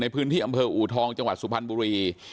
ในพื้นที่อำเภออูทองจังหวัดสุพรรณบุรี